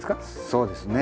そうですね。